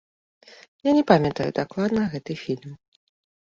Я не памятаю дакладна гэты фільм.